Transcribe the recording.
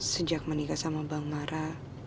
sejak menikah sama bang mara